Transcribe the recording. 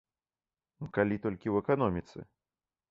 Калі толькі ў эканоміцы.